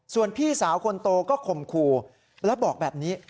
ส่วนพี่สาวคนโตก็ข่มขู่แล้วบอกแบบนี้